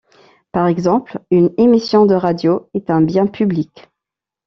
Par exemple, une émission de radio est un bien public.